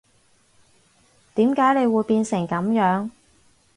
點解你會變成噉樣